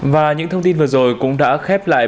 và những thông tin vừa rồi cũng đã khép lại